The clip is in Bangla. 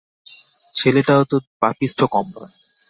ছেলেটাও তো পাপিষ্ঠ কম নয়!